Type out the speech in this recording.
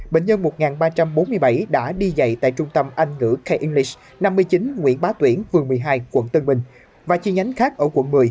bệnh nhân một ba trăm bốn mươi bảy đã đi dạy tại trung tâm anh ngữ k english năm mươi chín nguyễn bá tuyển phường một mươi hai quận tân bình và chi nhánh khác ở quận một mươi